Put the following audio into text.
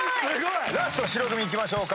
ラスト白組いきましょうか。